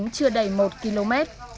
chưa đầy một km